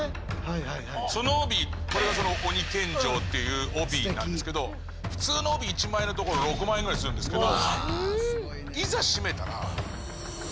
その帯これがその「鬼献上」っていう帯なんですけど普通の帯１万円のところ６万円ぐらいするんですけど。